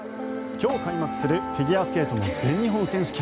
今日開幕するフィギュアスケートの全日本選手権。